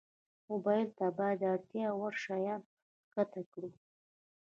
موبایل ته باید د اړتیا وړ شیان ښکته کړو.